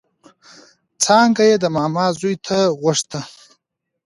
څانګه يې د ماما زوی ته غوښته